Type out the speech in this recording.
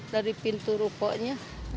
dari pintu rukonya